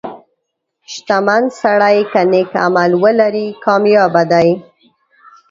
• شتمن سړی که نیک عمل ولري، کامیابه دی.